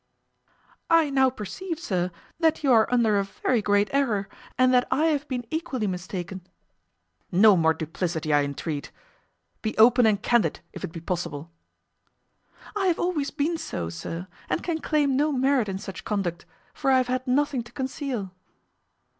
"I now perceive, sir, that you are under a very great error, and that I have been equally mistaken." "No more duplicity, I entreat; be open and candid, if it be possible." "I have always been so, sir; and can claim no merit in such conduct, for I have had nothing to conceal."